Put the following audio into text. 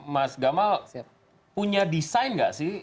mas gamal punya desain nggak sih